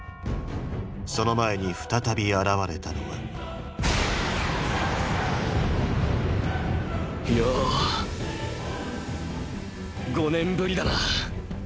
その前に再び現れたのはよう５年ぶりだな。